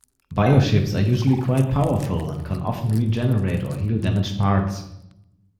Bioships are usually quite powerful, and can often regenerate or heal damaged parts.